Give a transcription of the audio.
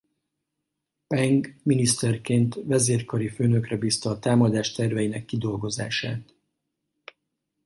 Peng miniszterként vezérkari főnökre bízta a támadás terveinek kidolgozását.